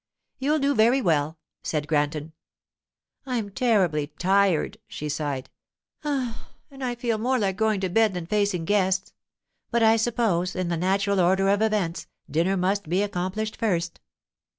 'You'll do very well,' said Granton. 'I'm terribly tired,' she sighed; 'and I feel more like going to bed than facing guests—but I suppose, in the natural order of events, dinner must be accomplished first.